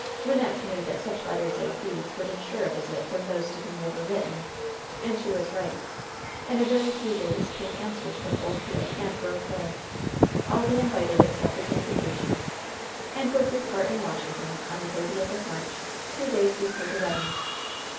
Wynnette knew that such letters as these would in sure a visit from those to whom they were written. And she was right. In a very few days came answers from Oldfield and Grove Hill. All the invited accepted the invitations, and would report in Washington on the thir tieth of March, two days before the wedding.